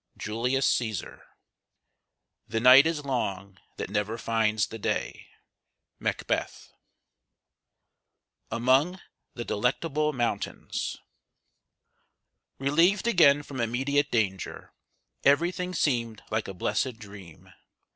JULIUS CÆSAR. The night is long that never finds the day. MACBETH. [Sidenote: AMONG THE DELECTABLE MOUNTAINS.] Relieved again from immediate danger, every thing seemed like a blessed dream.